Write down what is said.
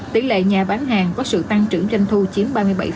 tỷ lệ nhà bán hàng có sự tăng trưởng doanh thu chiếm ba mươi bảy bảy mươi hai